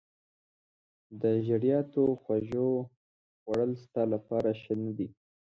د زیاتو خوږو خوړل ستا لپاره ښه نه دي.